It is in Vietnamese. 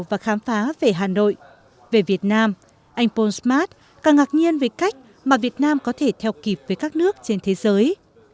về việt nam anh paul smart càng ngạc nhiên về cách mà việt nam có thể theo kịp với các nước trên thế giới